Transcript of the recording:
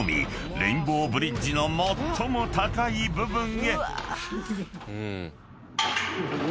レインボーブリッジの最も高い部分へ］